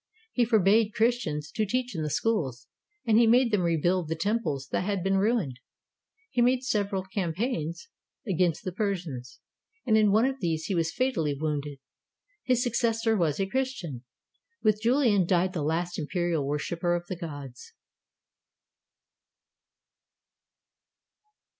He forbade Christians to teach in the schools, and he made them rebuild the tem ples that had been ruined. He made several campaigns against the Persians, and in one of these he was fatally wounded. His successor was a Christian. With Julian died the last imperial worshiper of the gods.